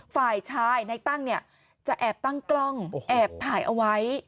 ฝ่ายชายในตั้งเนี่ยจะแอบตั้งกล้องแอบถ่ายเอาไว้